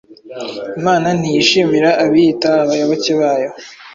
Imana ntiyishimira abiyita abayoboke bayo